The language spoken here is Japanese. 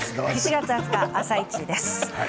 ７月２０日「あさイチ」です。